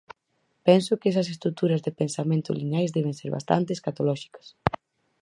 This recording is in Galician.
Penso que esas estruturas de pensamento lineais deben ser bastante escatolóxicas.